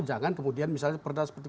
jangan kemudian misalnya perda seperti